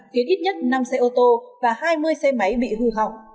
khiến ít nhất năm xe ô tô và hai mươi xe máy bị hư hỏng